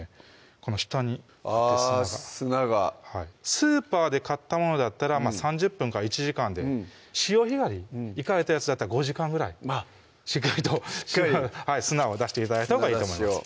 この下にあぁ砂がスーパーで買ったものだったら３０分１時間で潮干狩り行かれたやつだったら５時間ぐらいしっかりと砂を出して頂いたほうがいいと思います